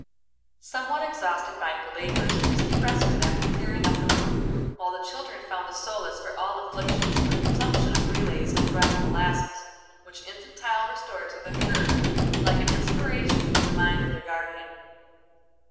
Somewhat exhausted by her labors, Christie rested, after clearing up the room, while the children found a solace for all afflictions in the consumption of relays of bread and molasses, which infantile restorative occurred like an inspiration to the mind of their guardian.